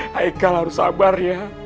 hai kal harus sabar ya